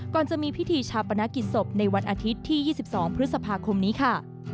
จะมีพิธีชาปนกิจศพในวันอาทิตย์ที่๒๒พฤษภาคมนี้ค่ะ